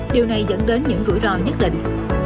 điều này dẫn đến những rủi ro nhất định